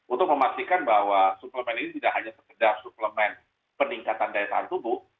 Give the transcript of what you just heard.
untuk memastikan bahwa suplemen ini tidak hanya sekedar suplemen peningkatan daya tahan tubuh